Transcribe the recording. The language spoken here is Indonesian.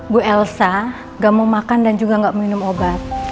bu elsa gak mau makan dan juga gak minum obat